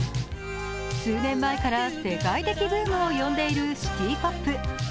数年前から世界的ブームを呼んでいるシティポップ。